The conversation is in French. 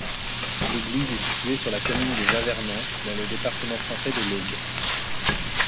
L'église est située sur la commune de Javernant, dans le département français de l'Aube.